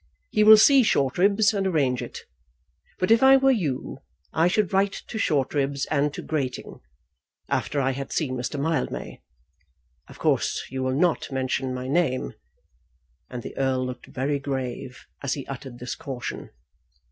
He will see Shortribs and arrange it. But if I were you I should write to Shortribs and to Grating, after I had seen Mr. Mildmay. Of course you will not mention my name," And the Earl looked very grave as he uttered this caution.